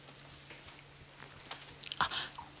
あっ！